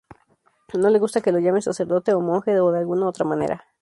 No le gusta que lo llamen sacerdote o monje o de alguna otra manera.